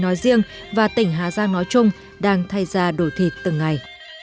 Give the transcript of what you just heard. nói riêng và tỉnh hà giang nói chung đang thay ra đổi thịt từng ngày